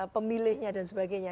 pemilihnya dan sebagainya